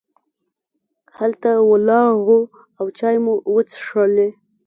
هلته ولاړو او چای مو وڅښلې.